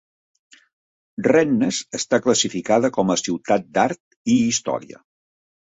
Rennes està classificada com a ciutat d'art i història.